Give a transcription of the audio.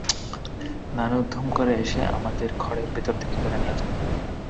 নানু ধুম করে এসে আমাদের খড়ের ভেতর থেকে ধরে নিয়ে যান।